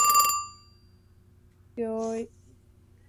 Es por eso que hoy soy un Kahn.